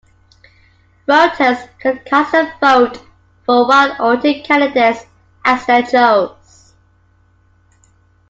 Voters could cast a vote for one or two candidates, as they chose.